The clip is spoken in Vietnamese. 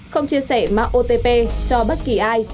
không chia sẻ mạo otp cho bất kỳ ai